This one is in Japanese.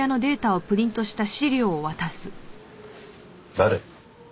誰？